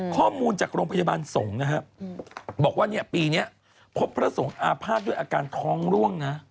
ข้อมูลจากโรงพยาบาลสงฆ์นะฮะบอกว่าเนี่ยปีนี้พบพระสงฆ์อาภาษณ์ด้วยอาการท้องร่วงนะ